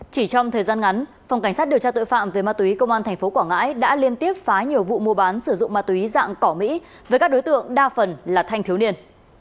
chỉ trong thời gian ngắn phòng cảnh sát điều tra tội phạm về ma túy công an tp quảng ngãi đã liên tiếp phá nhiều vụ mua bán sử dụng ma túy dạng cỏ mỹ với các đối tượng đa phần là thanh thiếu niên